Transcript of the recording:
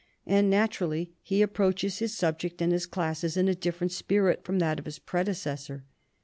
And naturally he approaches his subject and his classes in a different spirit from that of his predecessor.